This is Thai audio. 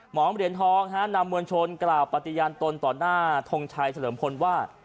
หมอมริยะท้องนำมวลชนกล่าวปฏิญันตลต่อหน้าทองชัยเสด็จมพลว่า